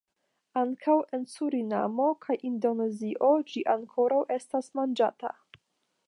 Ankaŭ en Surinamo kaj Indonezio ĝi ankoraŭ estas manĝata.